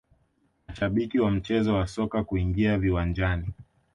mashabiki wa mchezo wa soka kuingia viwanjani